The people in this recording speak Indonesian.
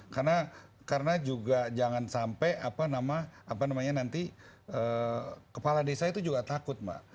karena juga jangan sampai apa namanya nanti kepala desa itu juga takut mbak